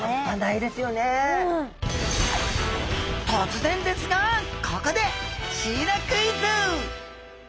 突然ですがここでシイラクイズ！